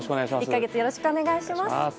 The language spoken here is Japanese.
１か月よろしくお願いします。